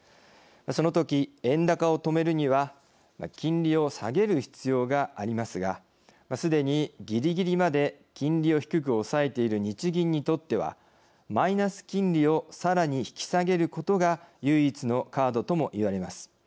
その時、円高を止めるには金利を下げる必要がありますがすでに、ぎりぎりまで金利を低く抑えている日銀にとってはマイナス金利をさらに引き下げることが唯一のカードとも言われます。